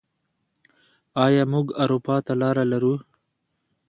آیا موږ اروپا ته لاره لرو؟